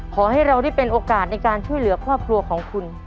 ขอให้เราได้เป็นโอกาสในการช่วยเหลือครอบครัวของคุณ